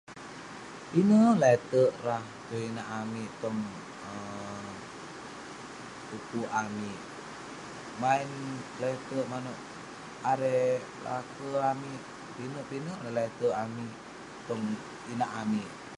Pinek leterk rah tong inak amik, tong uh ukuk amik. Maen keleterk manouk erei laker amik, pinek pinek neh leterk amik tong inak amik.